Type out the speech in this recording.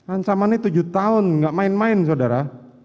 ancamannya tujuh tahun gak main main saudara